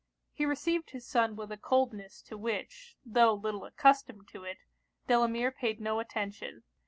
He received his son with a coldness to which, tho' little accustomed to it, Delamere paid no attention.